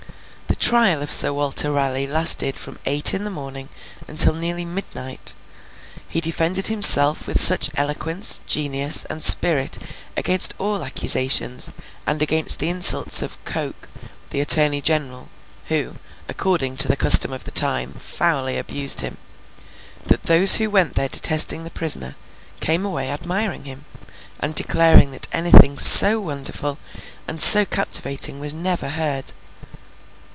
The trial of Sir Walter Raleigh lasted from eight in the morning until nearly midnight; he defended himself with such eloquence, genius, and spirit against all accusations, and against the insults of Coke, the Attorney General—who, according to the custom of the time, foully abused him—that those who went there detesting the prisoner, came away admiring him, and declaring that anything so wonderful and so captivating was never heard.